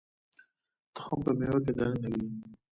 تخم په مېوه کې دننه وي